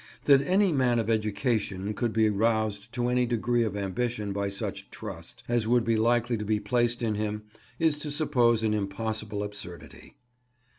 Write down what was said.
That any man of education could be roused to any degree of ambition by such "trust" as would be likely to be placed in him, is to suppose an impossible absurdity.